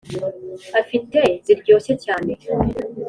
afite ziryoshye cyane